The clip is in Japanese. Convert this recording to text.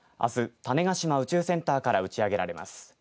種子島宇宙センターから打ち上げられます。